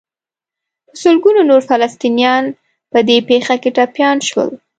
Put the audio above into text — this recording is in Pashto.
په سلګونو نور فلسطینیان په دې پېښه کې ټپیان شول.